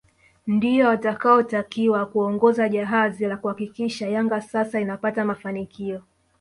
Ndio watakaotakiwa kuongoza jahazi la kuhakikisha Yanga sasa inapata mafanikio